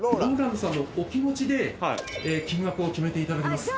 ＲＯＬＡＮＤさんのお気持ちで金額を決めていただきます。